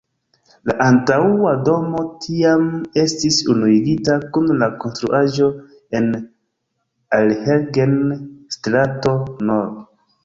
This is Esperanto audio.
La antaŭa domo tiam estis unuigita kun la konstruaĵo en Allerheiligen-strato nr.